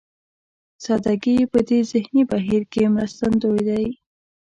سادهګي په دې ذهني بهير کې مرستندوی دی.